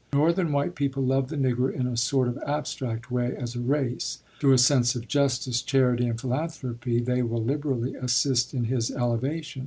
Northern white people love the Negro in a sort of abstract way, as a race; through a sense of justice, charity, and philanthropy, they will liberally assist in his elevation.